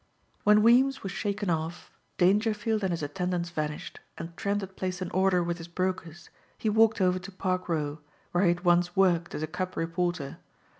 When Weems was shaken off, Dangerfield and his attendants vanished, and Trent had placed an order with his brokers he walked over to Park Row, where he had once worked as a cub reporter.